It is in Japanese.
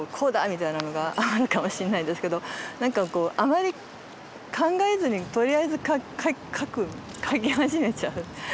みたいなのがあるかもしんないですけど何かこうあまり考えずにとりあえず描く描き始めちゃう。